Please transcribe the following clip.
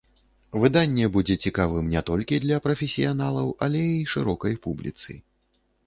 Выданне будзе цікавым не толькі для прафесіяналаў, але і шырокай публіцы.